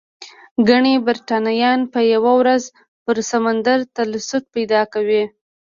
ګنې برېټانیا به یوه ورځ پر سمندر تسلط پیدا کوي.